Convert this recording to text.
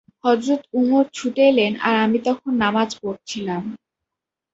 হযরত উমর ছুটে এলেন আর আমি তখন নামায পড়ছিলাম।